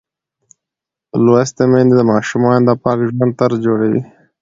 لوستې میندې د ماشومانو د پاک ژوند طرز جوړوي.